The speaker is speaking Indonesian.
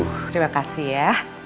terima kasih ya